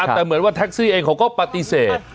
แต่เหมือนว่าแท็กซี่เองเขาก็ปฏิเสธ